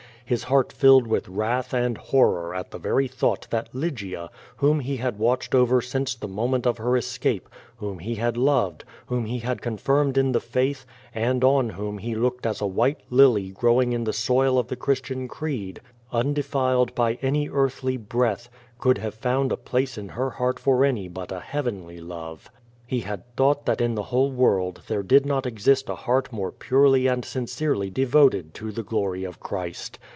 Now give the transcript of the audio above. His heart filled with wrath and horror at the very thought that Lygia, whom he had watched over since the moment of her escape, whom he had loved, whom he had confirmed in the faith, and on whom he had looked as a white lily growing in the soil of the Christian creed, undefiled by any earthly breath, could have found a place in her heart for any but u heavenly love. He had thought that in the whole world there did not exist a heart more purely and sincerely devoted to the glory of Christ.